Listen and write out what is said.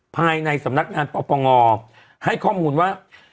ภายในสำนักงานปปงให้ข้อมูลว่า